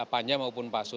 panja maupun pansus